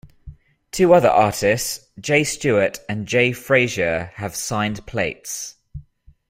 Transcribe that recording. Two other artists, J Stewart and J Frasier, have signed plates.